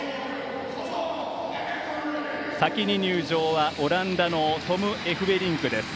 先に入場はオランダのトム・エフベリンクです。